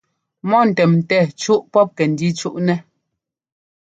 Mɔ ntɛmtɛ́ cúʼ pɔp kɛ́ndíi cúʼnɛ́.